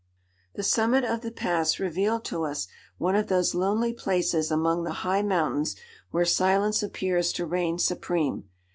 The summit of the pass revealed to us one of those lonely places among the high mountains where silence appears to reign supreme.